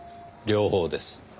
両方です。